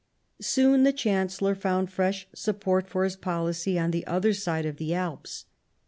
Soon the Chancellor found fresh support for his policy on the other side of the Alps.